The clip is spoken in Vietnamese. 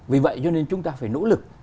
vì vậy cho nên chúng ta phải nỗ lực